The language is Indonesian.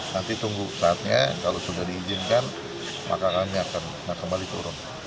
nanti tunggu saatnya kalau sudah diizinkan maka kami akan kembali turun